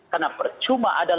karena percuma ada lembaga